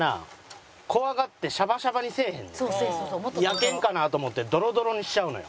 焼けんかなと思ってドロドロにしちゃうのよ。